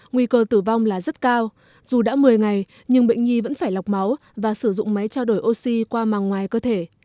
nguy cơ tử vong là rất cao dù đã một mươi ngày nhưng bệnh nhi vẫn phải lọc máu và sử dụng máy trao đổi oxy qua màng ngoài cơ thể